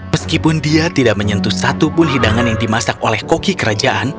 meskipun dia tidak menyentuh satupun hidangan yang dimasak oleh koki kerajaan